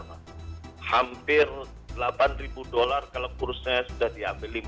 apa hampir delapan ribu dolar kalau kursenya sudah diambil